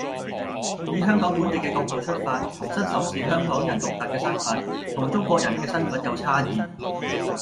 以香港本地嘅角度出發，重新審視香港人獨特嘅身份，同中國人嘅身份有差異